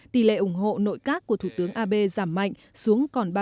tỷ lệ ủng hộ nội các của thủ tướng abe giảm mạnh xuống còn ba mươi sáu một